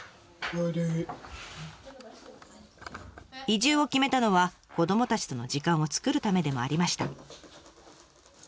移住を決めたのは子どもたちとの時間を作るためでもありました。